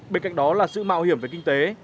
bên cạnh đó là sự mạo hiểm về kinh tế